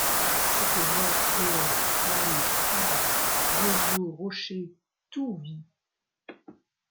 C’est que vents, ondes, flammes Arbres, roseaux, rochers, tout vit !